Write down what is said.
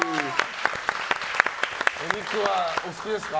お肉は、お好きですか？